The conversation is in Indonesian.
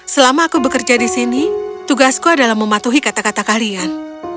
selama aku bekerja di sini tugasku adalah mematuhi kata kata kalian